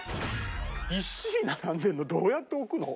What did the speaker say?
ぎっしり並んでるのどうやって置くの？